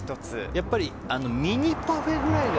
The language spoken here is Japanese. やっぱりミニパフェぐらいが。